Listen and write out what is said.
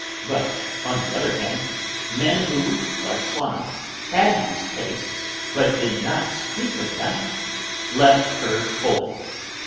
But, on the other hand, men who, like Swann, had these tastes but did not speak of them, left her cold.